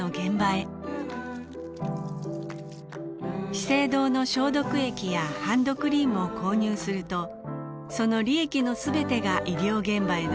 資生堂の消毒液やハンドクリームを購入するとその利益のすべてが医療現場への寄付になります